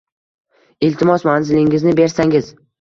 Iltimos, manzilingizni bersangiz.